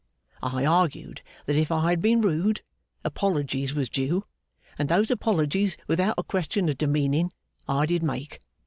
I argued that if I had been rude, apologies was due, and those apologies without a question of demeaning, I did make.